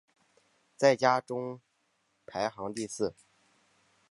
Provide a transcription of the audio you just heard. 在家中排行第四。